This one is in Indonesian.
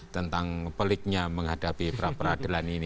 tentang peliknya menghadapi pra peradilan ini